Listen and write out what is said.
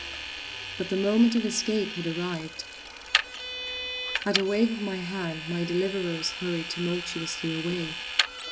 But the moment of escape had arrived. At a wave of my hand my deliverers hurried tumultuously away.